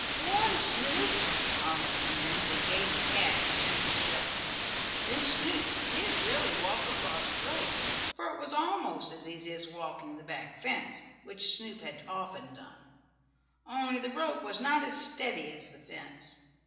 "Go on, Snoop!" called the twins, and gave the cat a gentle shove. Then Snoop did really walk across the rope, for it was almost as easy as walking the back fence, which Snoop had often done. Only the rope was not as steady as the fence.